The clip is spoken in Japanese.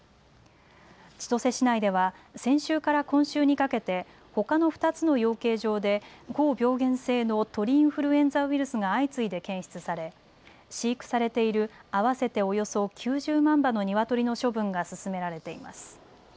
千歳市内では先週から今週にかけてほかの２つの養鶏場で高病原性の鳥インフルエンザウイルスが相次いで検出され飼育されている合わせておよそ９０万羽のニワトリの処分が進められています。